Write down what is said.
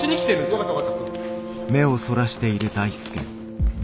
分かった分かった。